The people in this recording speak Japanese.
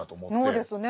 そうですね。